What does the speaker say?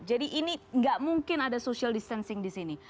jadi ini nggak mungkin ada social distancing di sini